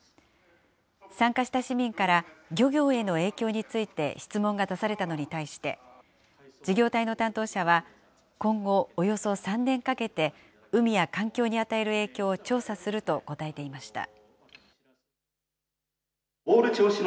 参加した市民から、漁業への影響について質問が出されたのに対して、事業体の担当者は、今後、およそ３年かけて、海や環境に与える影響を調査すると答えていました。